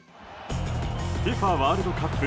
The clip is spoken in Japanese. ＦＩＦＡワールドカップ２０２２。